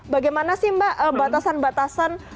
bagaimana sih mbak batasan batasan